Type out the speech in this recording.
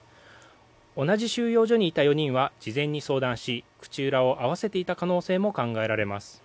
同じ収容所にいた４人は事前に相談し口裏を合わせていた可能性も考えられます。